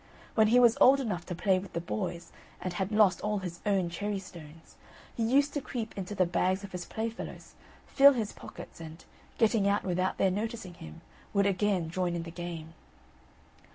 When he was old enough to play with the boys, and had lost all his own cherry stones, he used to creep into the bags of his playfellows, fill his pockets, and, getting out without their noticing him, would again join in the game.